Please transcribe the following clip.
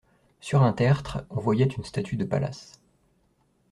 Sur un tertre on voyait une statue de Pallas.